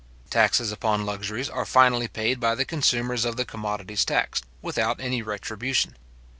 Taxes upon luxuries are finally paid by the consumers of the commodities taxed, without any retribution.